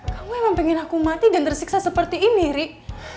kamu emang pengen aku mati dan tersiksa seperti ini rick